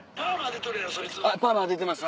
パーマ当ててます